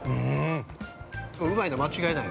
うまいのは間違いない。